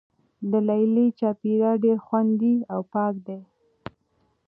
د لیلیې چاپیریال ډیر خوندي او پاک دی.